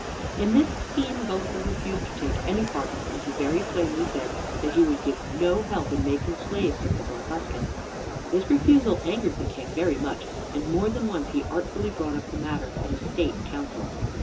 In this scheme Gulliver refused to take any part, and he very plainly said that he would give no help in making slaves of the Blefuscans. This refusal angered the King very much, and more than once he artfully brought the matter up at a State Council.